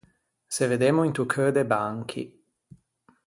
Se veddemmo into cheu de Banchi.